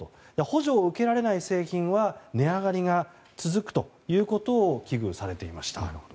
補助を受けられない製品は値上がりが続くということを危惧されていました。